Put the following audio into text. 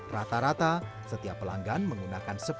rata rata setiap pelanggan menggunakan sepeda